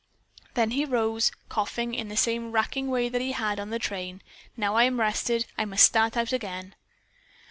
Then he rose, coughing in the same racking way that he had on the train. "Now I am rested, I must start out again."